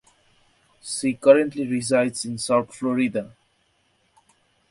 She currently resides in South Florida.